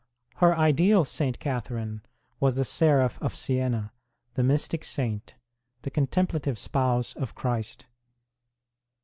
Her ideal St. Catherine was the seraph of Siena, the mystic saint, the contemplative spouse of Christ.